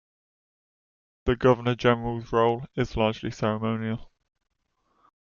The governor-general's role is largely ceremonial.